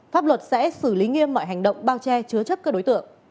pháp luật sẽ xử lý nghiêm mọi hành động bao che chứa chấp các đối tượng